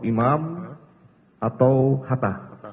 prof iman atau hatta